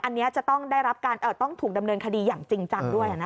อันนี้จะต้องถูกดำเนินคดีอย่างจริงจังด้วย